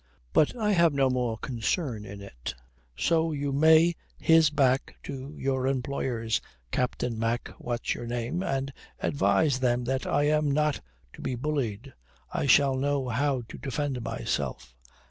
But I have no more concern in it. So you may his back to your employers, Captain Mac what's your name, and advise them that I am not to be bullied. I shall know how to defend myself."